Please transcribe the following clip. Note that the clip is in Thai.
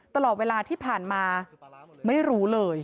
ตลอดเวลาที่ผ่านมาไม่รู้เลย